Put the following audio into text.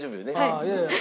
いやいや。